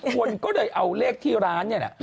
ควรก็ได้เอาเลขที่ร้านนี่ละ